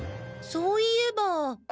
そういえば。